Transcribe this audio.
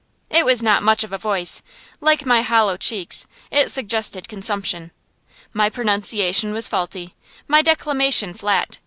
It was not much of a voice; like my hollow cheeks, it suggested consumption. My pronunciation was faulty, my declamation flat.